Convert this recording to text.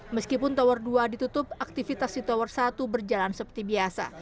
meskipun tower dua ditutup aktivitas di tower satu berjalan seperti biasa